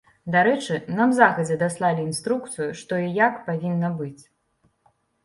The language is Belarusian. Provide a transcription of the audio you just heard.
Дарэчы, нам загадзя даслалі інструкцыю, што і як павінна быць.